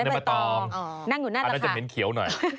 อันนี้ใบตองนั่งอยู่หน้าละค่ะอันนั้นจะเห็นเขียวหน่อย